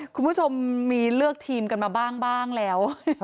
คุณผู้ชมมีเลือกทีมกันมาบ้างแล้ว